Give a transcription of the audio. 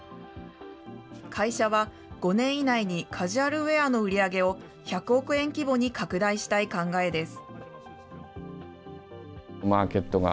会社は、５年以内にカジュアルウエアの売り上げを、１００億円規模に拡大したい考えです。